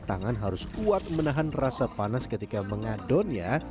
tangan harus kuat menahan rasa panas ketika mengadonnya